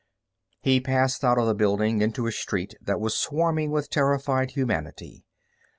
He passed out of the building into a street that was swarming with terrified humanity.